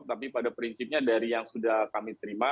tapi pada prinsipnya dari yang sudah kami terima